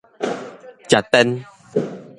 食電